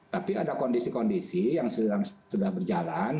tapi ada kondisi kondisi yang sudah berjalan